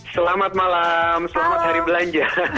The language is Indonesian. selamat malam selamat hari belanja